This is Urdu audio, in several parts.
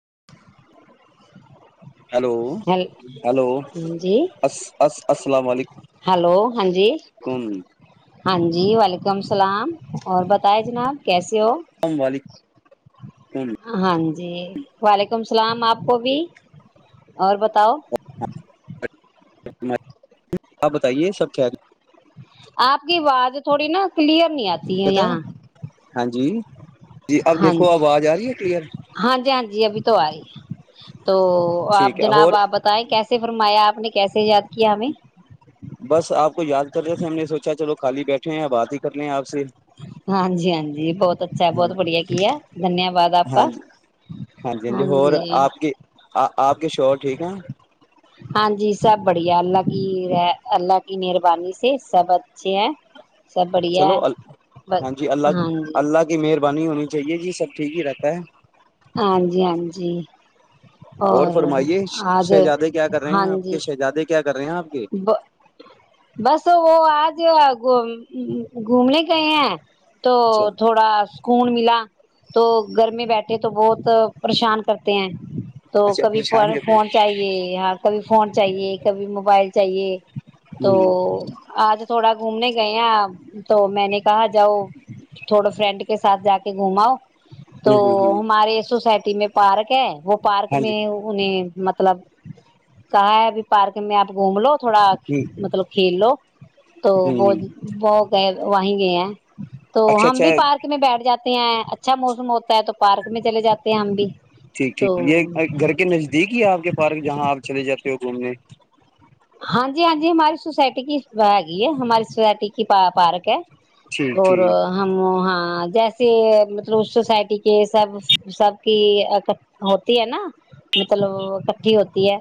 [inaudible] ہلو ہیل ہلو جی السلام ہلو ہاں جی علیکمیکم ہاں جی وعلیکم السلام اور بتائے جناب کیسے ہو السلام علیکم [unintelligible] جی وعلیکم السلام آپ کو بھی اور بتاؤ بتائیے سب آپ کی آواز تھوڑی نا کلیئر نہیں آتی ہے یہاں ہاں جی جی اب دیکھو آواز آ رہی ہے کلیئر ہاں جی ہاں جی ابھی [inaudible] تو آپ ٹھیک ہے اور جناب آپ بتائیں کیسے فرمایا آپ نے کیسے ہیں بس آپ کو یاد کرتے تھ ہم نے سوچا چلو خالی بیٹھے ہیں بات ہی کر لیں آپ سے ہاں جی ہاں جی بہت اچھا ہے بہت بڑھیا کی ہے دھنیہ واد آپا ہاں جی ہاں جی ہاں اور جی آپ کے آپ کے شوہر ٹھیک ہیں ہاں جی سب بڑھیا اللہ کی رہ اللہ کی مہربانی سے سب اچھے ہیں سب بڑھیا چلو ب ہاں جی ہاں اللہ جی اللہ کی مہربانی ہونی چاہیے جی سب ٹھیک ہی رہتا ہے ہاں جی ہاں جی اور فرمائیے آج شہزادے کیا کر رہے ہاں ہیں آپ جی کے شہزادے کیا کر رہے ہیں آپ کے بس وہ آج گھومنے گئے ہیں تو اچھا تھوڑا خون ملا تو گھر میں بیٹھے تو بہت پریشان کرتے ہیں تو اچھا کبھی پر پریشان کرتے فون چاہیے ہاں کبھی فون چاہیے کبھی موبائل چاہیے تو ہیں آج تھوڑا گھومنے گئے ہیں تو میں نے کہا جاؤ تھوڑا فرینڈ کے ساتھ جا کے گھماؤ تو ہوں ہوں ہوں ہمارے سوسائٹی میں پارک ہے وہ پارک ہاں میں انہیں مطلب کہا ہے ابھی پارک میں آپ گھوم لو تھوڑا جی ہ مطلب ہیلو تو وہ ہ وہ کہ وہیں گئے ہیں تو اچھا ہم اچھا بھی پارک میں بیٹھ جاتے ہیں اچھا موسم ہوتا ہے تو پارک میں چے جاتے ہیں ہم بھی ٹھیک ٹھیک تو یہ گھر کے نزدیک ہی ہے آپ کے پارک جہاں آپ چلے جاتے ہو گھومنے ہاں جی ہاں جی ہم ہماری سوسائٹی کی ہےگی ہے ہماری سوسائٹی کی پ پارک ہے ٹھیک اور ٹھیک ہماں جیسے مطلب سوسائٹی کے سب سب کی ہوتی ہے نا مطلب اکٹھی ہوتی ہے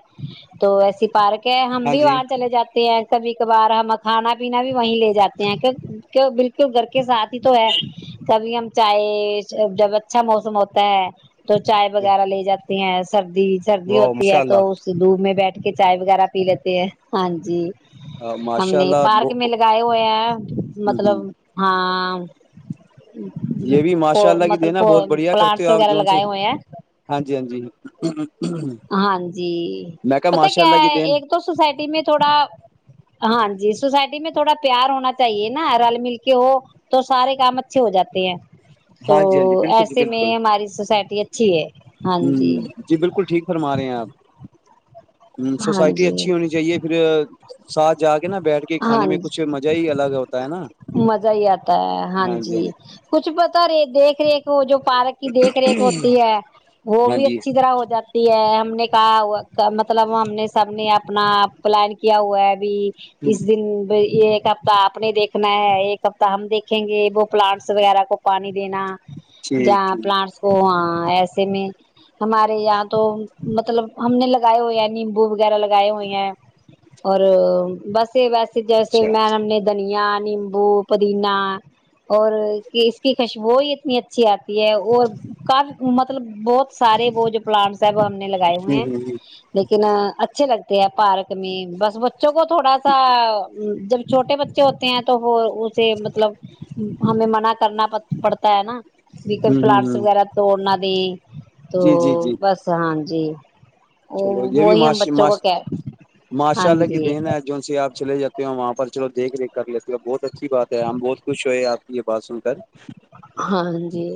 تو ایسی پارک ہے ہاں بھی جی وہاں چل جاتے کبھی کبھار ہم کھانا پینا بھی وہیں لے جاتے ہیں بالکل گھر کے ساتھ ہی تو ہے کبھی ہم چاہے جب اچھا موسم ہوتا ہے تو چائے وغیرہ لے جاتی [inaudible] سردی سردی واہ ہوتی ماشاء ہے تو اللہ اس دوپ میں بیٹھ کے چائے وغیرہ پی لیت ہاں ج جی ہم ماشاء نے اللہ پارک میں لگائے ہوئے ہیں ہ مطلب ہاں ہو یہ بھی ماشاء اللہ کی دینا بہت بڑھیا کرتے پلانٹس ہو آپ وغیرہ جو سے لگائے ہوئے ہیں ہاں جی ہاں جی [inaudible] ہاں جی میں کہ پتا ماشاء کیا اللہ کی ہے دین ایک تو سوسائٹی میں تھوڑا ہاں جی سوسائٹی میں تھوڑا پیار ہونا چاہیے نا رل مل کے ہو تو سارے کام اچھے ہو جاتے ہیں [unintelligible] تو ہاں جی ہاں جی بالکل جی ایسے میں بالکل ہماری سوسائٹی اچھی ہے ہاں جی ہ بالکل ٹھیک فرما رہے ہیں آپ ہ ہاں سوسائٹی جی اچھی ہونی چاہیے پھر ساتھ جا کے نا بیٹھ کے ہاں کھانے میں ج کچھ مزہ ہی الگ ہوتا ہے نا مزہ ہی آتا ہے ہاں جی کچھ پتا [inaudible] دیکھ ریکھ وہ جو پارک کی دیکھ ریکھ ہوتی ہے وہ بھی جی ہاں اچھی طرح ہو جاتی ہے ہم نے مطلب ہم نے سب نے اپنا پلان کیا ہوا ہے ابھی [unintelligible] جی اس دن ب [inaudible] یہ ایک ہفتہ آپ نے دیکھنا ہے ایک ہفتہ ہم دیکھیں گے وہ پلانٹس وغیرہ کو پانی دینا [inaudible] ج ٹھیک ٹھیک پلانٹس کواں ایسے میں ہمارے یہاں تو مطلب ہم نے لگائے ہوئے نیمبو وغیرہ لگائے ہوئے ہیں اور [inaudible] بسے بسے جیسے اچھا میں ہم نے دنیا نیمبو پدینہ اور کہ اس کی خشبو ہی اتنی اچھی آتی ہے اور کافی مطلب بہت سارے وہ جو پلانٹس ہے وہ لگائے ہ ہوئے ہیں ہ ہ لیکن ن اچھے لگتے ہیں پارک میں بس بچوں کو تھوڑا [unintelligible] ا جب چھوٹے بچے ہوتے ہیں تو وہ اسے مطلب ہمیں منع کرنا پڑتا ہے نا [unintelligible] جکر ہ پلانٹس ہ وغیرہ توڑنا [unintelligible] تو جی جی جی بس ہاں ج جی [unintelligible] چلو یہ وہی ہم بھیاشیش بچوں کو کہ ہاں ماشاء اللہ کی جی دین ہے جو سے آپ چلےاتے ہو وہاں پر چلو دھ ریکھ کر لیتے ہو بہت اچھی بات ہے ہم بہت خوش ہوئے آپ یہ بات سن کر ہاں جی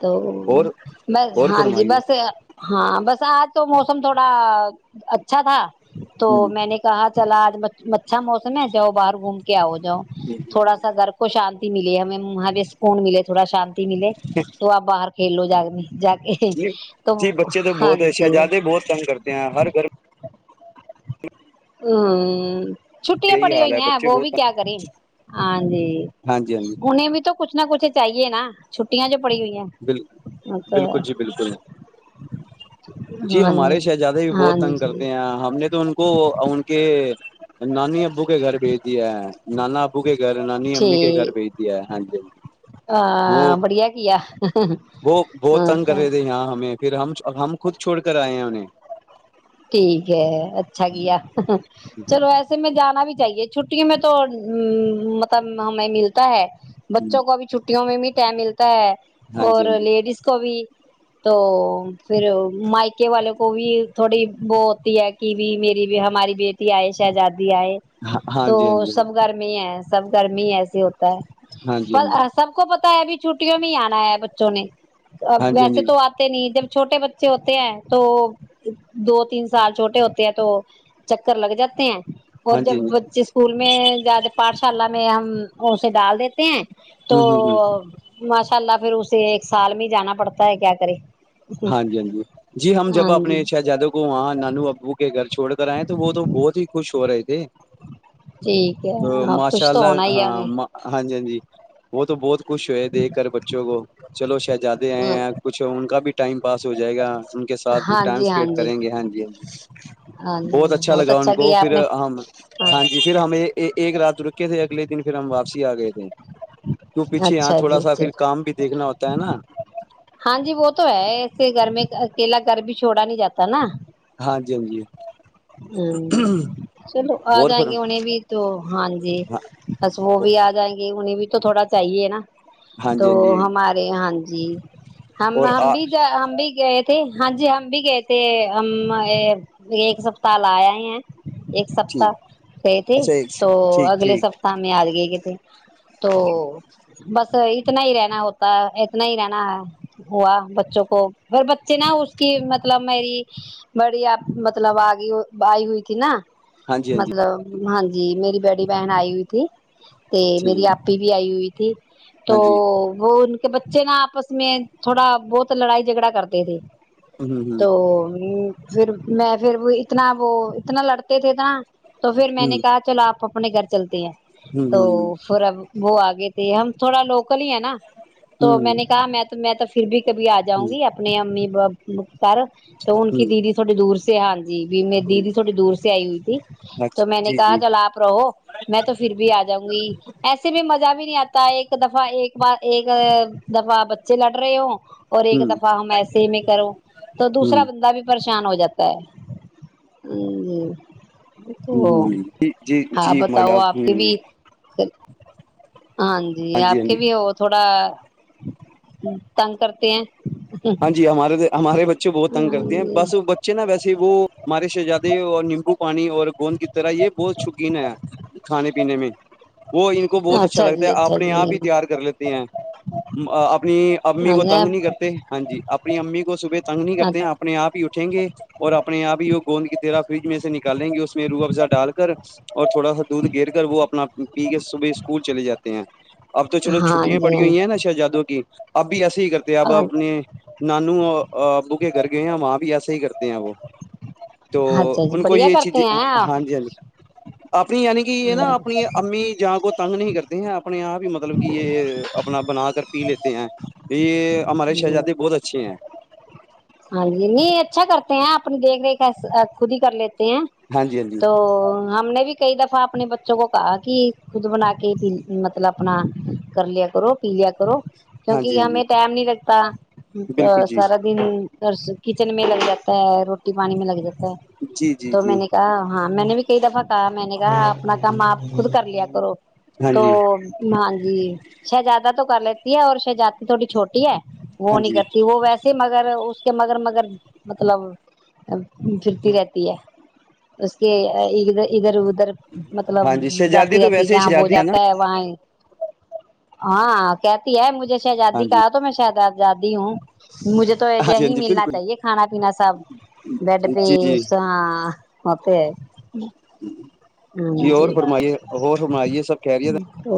تو اور ب اور ہاں جی فرمائیے بس ہاں بس آج [unintelligible] تو موسم تھوڑا اچھا تھا [unintelligible] تو ہ میں نے کہا [unintelligible] چلا آج اچھا موسم ہے جاؤ باہر گھوم کے آؤ [unintelligible] تھوڑا سا گھر کو شانت [unintelligible] ملی ہمیں مہاادیش کو [unintelligible] فون ملے تھوڑاان [unintelligible] ملے تو آپ باہر کو [unintelligible] کھیلو جاگ د ج جی بچے تو بہت اچھے جی ہیں زیادہ بہت تگ کرتے ہیں ہر گھر ہ چھٹیا میں یہی پڑی حال ہوئی ہے ہیں بچے وہ بہت بھی تنگ۔ کیا کریں ہاں جی ہاں جی ہاں جی انہیں بھی تو کچھ نہ کچھ چاہیے نا چھٹیاں جب بال بالکل جی بالکل جی ہمارے شہزادے بھی بہت تنگ کرتے ہیں ہم نے تو ان کو ان کے نانی ابو کے گھر بیج دی ہے نانا ابو کے گھر نانی امی کے گھر بھیج دی ہے ہاں جی ہاں جی وہ ہاں بڑھیا کی ہے وہ بہت تنگ کر رہے تھے یہاں ہمیں پھر ہم ہم خود چھوڑ کر آئے ہیں انہیں ٹھیک ہے اچھا کیا چلو وسے میں جانا بھی چاہیے چھٹیوں میں تو مطلب ہمیں ملتا ہے بچوں کو اب چھٹیوں میں م مل ہے ہاں اور جی لیڈیز کو بھی تو پھر مائکے والے کو بھی تھوڑی وہ ہوتی ہے کہ بھی میری بھی ہماری بیٹی آئےش ہے جادی د ہے ہاں تو جی ہاں جی سب گھر میں ہے سب گرمی ایسسی ہوتی ہاں جی ہاں جی سب کو ب پتا ہے بھی چھٹیوں میں ہی آنا ہے بچوں نے ہاں ویسے جی تو آتے نہیں جب چھوٹے بچے ہوتے ہیں تو دو تین سال چھوٹے ہوتے ہیں تو چکر لگ جاتے ہیں اور ہاں جب جی ہاں جی ہاں بچے اسکول میں زیادہ پاٹ شالا میں ہم اسے ڈال دیتے تے ہیں تو جی ماشاء اللہ پھر اسے ایک سال میں جانا پڑتا ہے کیا کرے ہاں جی ہاں جی جی ہم جب ہاں اپنے جی شہزادو کو وہاں نانو ابو کے گھر چھوڑ کر آئے تو وہ تو بہت ہی خوش شور آے ٹھیک ہے ہاں کچھ تو اللہ ہونا ہی ہے ہاں ایں ہاں جی ہاں جی وہ تو بہت خوش ہو ہے دیکھ کر بچوں کو چلو جیادے ہیں کچھ ان کا بھی ٹائم پاس ہو جائے گا ان کے ساتھ ہاں ٹائم جی ہاں اسپینڈ جی کریں گے ہاں جی ہاں ہاں جی جی بہت اچھا لگا ان کو کیا آپ پھر نے ہم ہاں جی پھر ہمیں ایک رات رکے تھے اگلے دن پھر ہم واپسی آ گئے تھے کیوں پیچے یہاں اچھا تھوڑا جی سا جی پھر کام بھی دیکنا ہوتا ہے نا [inaudible] ہاں جی وہ تو ہے ایسے گر میں اکیلا گر بھی چھوڑا نہیں جاتا نا ہاں جی ہاں جی ہ چلو آ اور جائیں پھر گے انہیں بھی تو ہاں جی بس وہ بھی آ جائیں گے انہیں بھی تو تھوڑا چاہیے نا ہاں تو جی ہاں جی ہمارے ہاں جی جی ہم اور ہم بھی ہم بھی گئے تھے ہاں جی ہم بھی گئے تھ ہم یہ ایک س پ تالایا ہیں ایک ٹھیک سپتاہ گئے تھے اچھا تو ٹھیک اگلے ٹھیک سپتتاہ ہمیں آد گئے تھ [unintelligible] تو بس اتنا ہی رہنا ہوتا ہے اتنا ہی رہنا ہے ہوا بچوں کو پھر بچے نا اس کی مطلب میری بڑی آ مطلب آگ بائی ہوئی تھی نا ہاں جی ہاں جی مطلب ہاں جی میری بیڑی بہن آئی ہوئی تھی ت میری ٹھیک آپ ہی بھی آئی ہوئی ت [unintelligible] تو ہاں جی وہ ان کہ بچے نا آپس میں تھوڑا بہت لڑائی جھگڑا کرتے تھے ہ ہ تو پھر میں پھر وہ اتنا وہ اتنا لڑتے تھے اتنا تو پھر میں نے ہ کہا چلو آپ اپنے گھر چلتے ہیں ہ تو ہ پھر اب وہ آگے تھے ہم تھوڑا لوگ ہے نا تو میں ہوں نے کہا میں میں تو پھر بھی کبھی آ جاؤں ہ گی اپنی امی [inaudible] کر تو ہن ہ کی دیی تھوڑی دور سے ہاں جی میری ہ دیدی تھوڑی دور جیے تو اچھا میں نے جی کہا جی چل آپ رہو میں تو پھر بھی آ جاؤں گی ایسے بھی مزہ بھی نہیں آتا ایک دفعہ ایک بار ایک دفع بچے لڑ رہے ہو اور ایک ہ ہ دفعہ ہم ایسے ہی میں کرو تو دوسا ہ بندہ بھیریش ری شان ہو جاتا ہے اور تو جی جی ہاں جی ہ بتاؤ آپ کے بھی ہاں جی آپ کے بھی وہ تھوڑا تھوڑا تنگ کرتے ہیں ہاں جی ہمارے ہمارے بچے بہت تنگ ہاں کرتے ہیں جی بس بچے نا ویسے وہ ہمارے شہزادے اور نیمبو پانی اور گوند کی طرح یہ بہت شوقین ہے کھانے پینے میں وہ ان کو بہت اچھا لگتا ہے جی اچھا اپنے جی آپ ہی تیار کر لیتے ہیں اپنی امی ہاں کو جی تنگ نہیں کرتے جی اپنی امی کو صبح تگ نہیں کرتے ہیں اپنے آپ ہی اٹھیں گے اور اپنے آپ ہی وہ گوند کی تیرا فریج میں سے نکالیں گے اس میں روح افزا ڈال کر اور تھوڑا سا دودھ گر کر وہ اپنا پی کے صبح اسکول چلے جاتے ہیں اب تو چلو ہاں چھٹیاں جی پڑی ہوئی ہیں نا شہزادوں کی اب ابھی ایسے ہی کرتے اب ہاں اپنے نانو ابو کے گھر گئے ہیں وہاں بھی ایسا ہی کرتے ہیں وہ تو اچھا جی ان کو بڑھیا یہ چیزیں کرتے ہاں ہیں جی ہاں جی اپنی یعنی کہ یہ نا اپنی امی جا کو تنگ نہیں کرتے ہیں اپنے آپ ہی مطلب کہ یہ اپنا بنا کر پی لیتے ہیں یہ ہمار جی شہجاتی ہاں جی نہیں اچھا کرتے ہیں اپنی دیکھ ریکھ خود ہی کر لی ہیں ہاں جی ہاں جی تو ہم نے بھی کئی دفعہ اپنے بچوں کو کہا کہ خود بنا کے پی مطلب اپنا کر لیا کرو پی لیا کرو ہاں جی کیونکہ ہاں جی ہمیں ٹم نہیں لگتا پا ا بالکل جی سارا دن کچن میں لگ جاتا ہے روٹی پانی میں لگ جاتا ہے جی جی تو جی میں نے کہا ہاں میں نے بھی کئی دفہ کہا میں نے کہا اپنا کام آپ خود کر لیا کرو ہاں تو جی م جی شہزادہ تو کر لیتی ہے اور شہزادی تھوڑی چھوٹی ہے وہ ہاں نہیں جی کرتی وہ ویسے مگر مگر اس کے مگر مگرگر مطلب پھرتی رہتی ہے اس کےھر ادھر ا ادھر مطلب ہاں جی شہزادی جاتی تو جاتی ویسے ہی جہاں وہ شہزادی نا جاتا ہے وہاں ہاں کہتی ہے مجھے آزاد ہاں جی کہا تو میں ش گ جاتی ہوں مجھے تو ای ہاں جے جی ہاں ہی جی ملنا بالکل چاہیے کھانا پینا سب بیڈ پہ جی جی اس ہ مت جی اور فرمائیے اور فرمائیے سب کہہ رہی ہے تو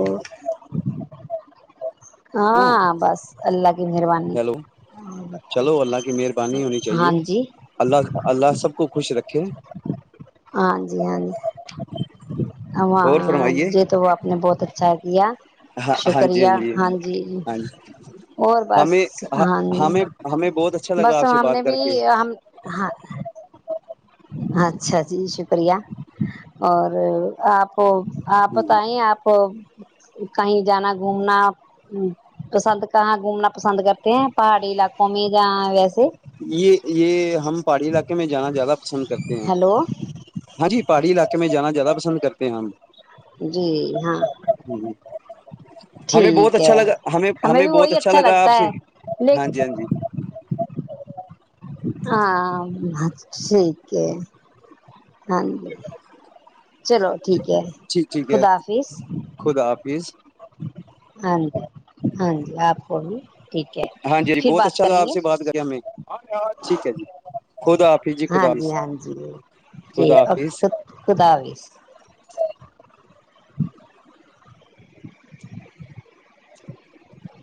نا ہاں بس اللہگ ہیلو چلو اللہ کی مہربانی ہونی ہاں چاہیے جی اللہ اللہ سب کو خوش رکھے [unintelligible] اور اں فرمائیے جی تو وہ آپ نے بہت اچھا کیا ہاں ہاں جی شکریہ ہاں جی ہاں بس ہمیں ہاں ہمیں ہمیں بہت اچھا بس لگا آپ سے ہم بات نے کر بھی کے ہم ہاں اچھا جی شکریہ اور آپ آپ بتائیں آپ کہیں جانا گھومنا پسند کر کہاں گھومنا پسند کرتے ہیں پہاڑی علاقوں میں جہاں ویسے یہ یہ ہم پہاڑی علاقے میں جانا زیادہ پسند کرتے ہیں ہیلو ہاں جی پہاڑی علاقے میں جانا زیادہ پسند کرتے ہیں ہم جی ہاں ہمیں بہت ٹھیک اچھا ہے لگا ہمیں بھی بہت وہی اچھا لگا لگتا آپ سے ہے لیک ہاں جی ہاں جی ہاں ٹھیک ہے ہاں جی چلو ٹھیک ہے ٹھیک ٹھیک ہے خدا حافظ خدا حافظ ہاں جی ہاں جی آپ کو بھی ٹھیک ہے ہاں جی جی پھر بہت بات اچھا کریں لگا آپ گے سے بات کری ہمیں ٹھیک ہے جی خدا حافظ خدا ہاں جی حافظ ہاں جی ٹ خدا اک حافظ خ خدا ح [unintelligible] [unintelligible]